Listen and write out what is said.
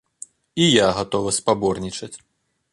І я гатовы спаборнічаць.